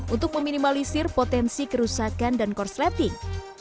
untuk meminimalisir potensi kerusakan dan core slapping